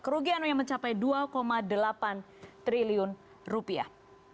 kerugiannya mencapai dua delapan triliun rupiah